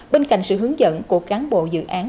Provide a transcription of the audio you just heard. bên cạnh sự hướng dẫn của cán bộ dự án